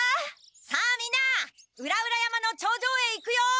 さあみんな裏々山の頂上へ行くよ！